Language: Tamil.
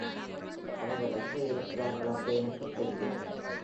அவர்கள் எங்கேயிருக்கிறார்கள் என்று எனக்குத் தெரியும்.